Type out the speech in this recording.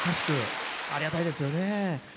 ありがたいですよね。